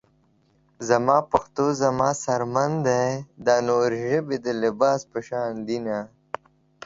زما پښتو زما څرمن ده دا نورې ژبې د لباس پشانته دينه